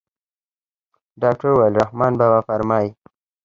ډاکتر وويل رحمان بابا فرمايي.